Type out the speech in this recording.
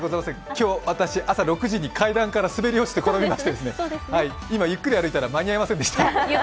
今日、朝６時に階段から滑り落ちて、転げまして、今、ゆっくり歩いたら間に合いませんでした。